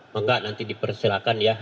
nggak nanti dipersilakan ya